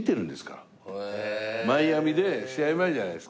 マイアミで試合前じゃないですか。